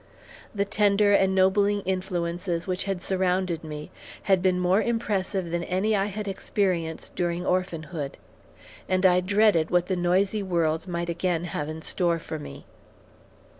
The tender, ennobling influences which had surrounded me had been more impressive than any I had experienced during orphanhood, and I dreaded what the noisy world might again have in store for me.